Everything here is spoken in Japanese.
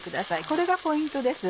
これがポイントです